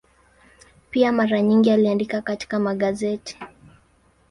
Pia mara nyingi aliandika katika magazeti.